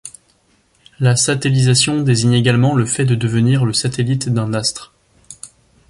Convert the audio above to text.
La satellisation désigne également le fait de devenir le satellite d'un astre.